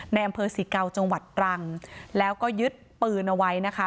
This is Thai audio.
ในอำเภอศรีเกาจังหวัดตรังแล้วก็ยึดปืนเอาไว้นะคะ